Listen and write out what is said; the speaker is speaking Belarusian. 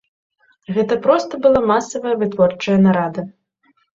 Гэта проста была масавая вытворчая нарада.